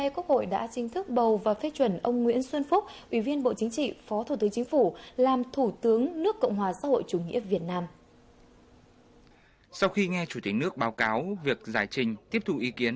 các bạn hãy đăng ký kênh để ủng hộ kênh của chúng mình nhé